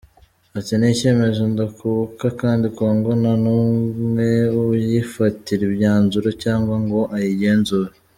Ati” Ni icyemezo ndakuka kandi Congo nta n’umwe uyifatira imyanzuro cyangwa ngo ayigenzure.